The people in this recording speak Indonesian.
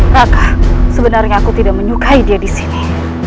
maka sebenarnya aku tidak menyukai dia di sini